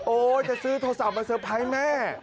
จะซื้อโทรศัพท์มาเตอร์ไพรส์แม่